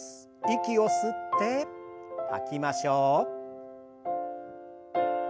息を吸って吐きましょう。